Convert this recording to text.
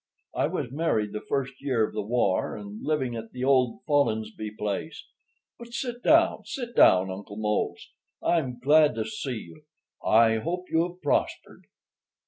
I was married the first year of the war and living at the old Follinsbee place. But sit down, sit down, Uncle Mose. I'm glad to see you. I hope you have prospered."